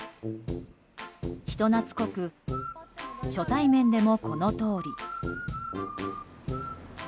人懐こく初対面でもこのとおり。